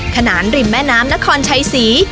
ขนานริมแม่น้ำนครชัยศรี